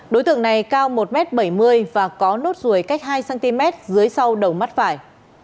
đối tượng này cao một m bảy mươi và có nốt ruồi cách hai cm dưới sau đầu mắt phải